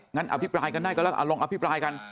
งั้นอธิบายกันได้ลองอธิบายกัน